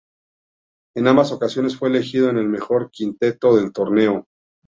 En ambas ocasiones fue elegido en el mejor quinteto del torneo.